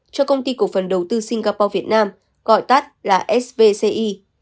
cho công ty cổ phần đầu tư singapore việt nam gọi tắt là svci